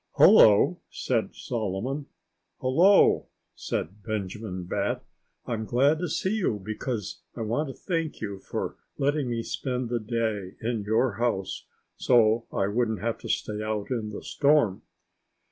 "Hullo!" said Solomon. "Hullo!" said Benjamin Bat. "I'm glad to see you, because I want to thank you for letting me spend the day in your house, so I wouldn't have to stay out in the storm."